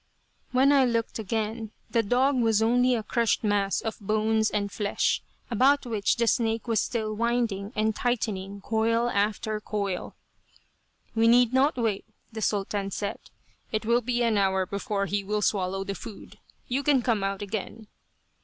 When I looked again, the dog was only a crushed mass of bones and flesh, about which the snake was still winding and tightening coil after coil. "We need not wait," the Sultan said. "It will be an hour before he will swallow the food. You can come out again."